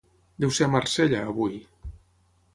Deu ser a Marsella, avui.